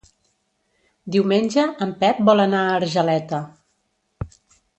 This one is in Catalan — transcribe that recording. Diumenge en Pep vol anar a Argeleta.